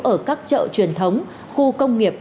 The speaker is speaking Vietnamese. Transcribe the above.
ở các chợ truyền thống khu công nghiệp